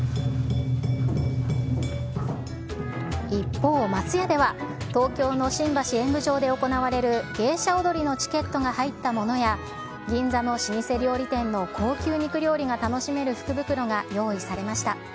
一方、松屋では、東京の新橋演舞場で行われる芸者踊りのチケットが入ったものや、銀座の老舗料理店の高級肉料理が楽しめる福袋が用意されました。